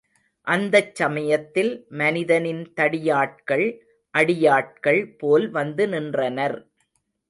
அந்தச் சமயத்தில் மதனின் தடியாட்கள் அடியாட்கள் போல் வந்து நின்றனர்.